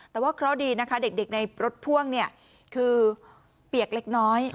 แต่ว่าเคราะห์ดีนะคะเด็กในรถพ่วงเนี่ยคือเปียกเล็กน้อย